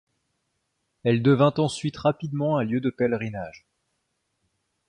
Elle devint ensuite rapidement un lieu de pèlerinage.